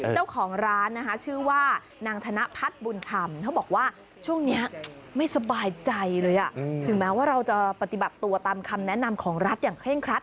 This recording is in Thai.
เจ้าของร้านนะคะชื่อว่านางธนพัฒน์บุญธรรมเขาบอกว่าช่วงนี้ไม่สบายใจเลยถึงแม้ว่าเราจะปฏิบัติตัวตามคำแนะนำของรัฐอย่างเร่งครัด